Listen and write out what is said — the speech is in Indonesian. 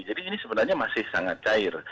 jadi ini sebenarnya masih sangat cair